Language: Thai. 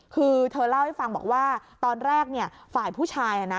คือเธอเล่าให้ฟังบอกว่าตอนแรกเนี่ยฝ่ายผู้ชายนะ